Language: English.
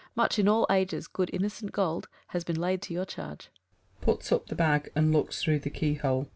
Much in all ages, good innocent gold, Has been lay'd to your charge \_Puts up the bag and looks through the key hole.